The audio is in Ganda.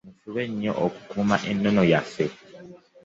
Mufube nnyo okukuuma ennono yaffe.